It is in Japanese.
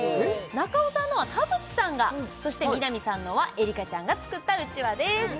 中尾さんのは田渕さんがそして南さんのは絵里花ちゃんが作ったうちわです